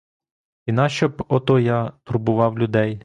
І нащо б ото я турбував людей.